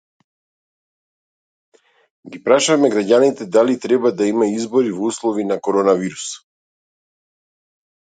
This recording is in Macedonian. Ги прашавме граѓаните, дали треба да има избори во услови на коронавирус